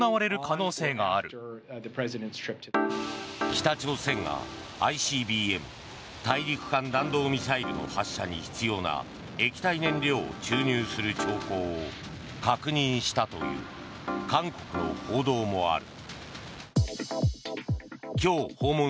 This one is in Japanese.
北朝鮮がＩＣＢＭ・大陸間弾道ミサイルの発射に必要な液体燃料を注入する兆候を確認したという韓国の報道もある。